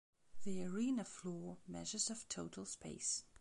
The arena floor measures of total space.